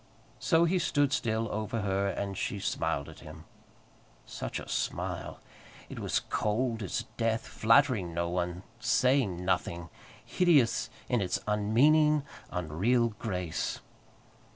So he stood still over her, and she smiled at him. Such a smile! It was cold as death, flattering no one, saying nothing, hideous in its unmeaning, unreal grace.